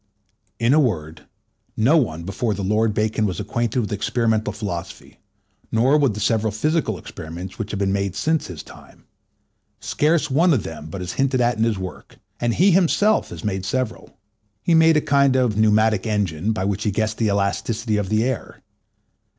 In a word, no one before the Lord Bacon was acquainted with experimental philosophy, nor with the several physical experiments which have been made since his time. Scarce one of them but is hinted at in his work, and he himself had made several. He made a kind of pneumatic engine, by which he guessed the elasticity of the air.